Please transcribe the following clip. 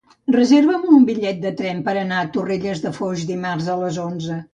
Reserva'm un bitllet de tren per anar a Torrelles de Foix dimarts a les onze.